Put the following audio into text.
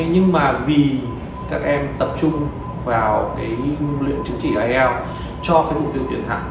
nhưng mà vì các em tập trung vào cái liệu chứng chỉ ielts cho cái mục tiêu tuyển thẳng